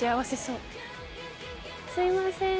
すいません